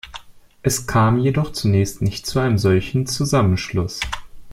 Es kam jedoch zunächst nicht zu einem solchen Zusammenschluss.